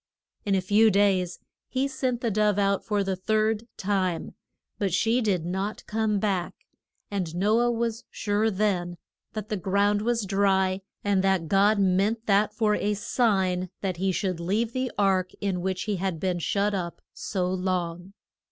In a few days he sent the dove out for the third time, but she did not come back; and No ah was sure then that the ground was dry, and that God meant that for a sign that he should leave the ark in which he had been shut up so long.